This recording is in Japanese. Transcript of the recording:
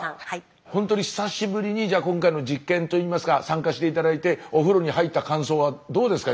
ほんとに久しぶりにじゃ今回の実験といいますか参加して頂いてお風呂に入った感想はどうですか？